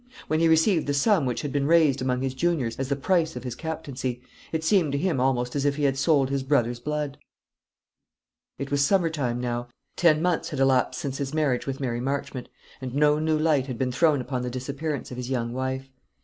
When he received the sum which had been raised amongst his juniors as the price of his captaincy, it seemed to him almost as if he had sold his brother's blood. It was summer time now. Ten months had elapsed since his marriage with Mary Marchmont, and no new light had been thrown upon the disappearance of his young wife.